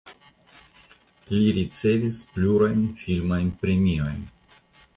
Li ricevis plurajn filmajn premiojn.